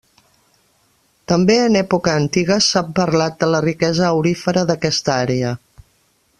També en època antiga s'ha parlat de la riquesa aurífera d'aquesta àrea.